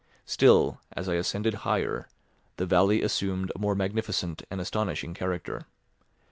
Still, as I ascended higher, the valley assumed a more magnificent and astonishing character.